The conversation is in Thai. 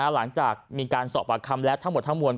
หลังจากมีการสอบปากคำแล้วทั้งหมดทั้งมวล